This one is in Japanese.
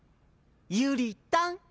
ゆりたん！